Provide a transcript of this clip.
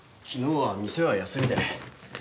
昨日は店は休みで。